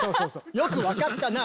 よく分かったな！